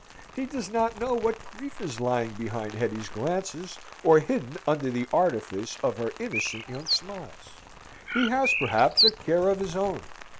He does not know what grief is lying behind Hetty's glances, or hidden under the artifice of her innocent young smiles. He has, perhaps, a care of his own.